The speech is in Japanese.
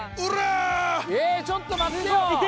えぇちょっと待ってよ。